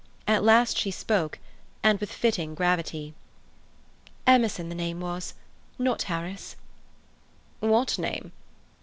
At last she spoke, and with fitting gravity. "Emerson was the name, not Harris." "What name?"